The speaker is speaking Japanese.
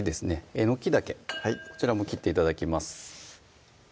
えのきだけこちらも切って頂きます